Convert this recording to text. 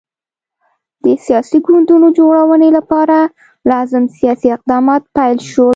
د سیاسي ګوندونو جوړونې لپاره لازم سیاسي اقدامات پیل شول.